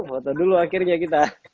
foto dulu akhirnya kita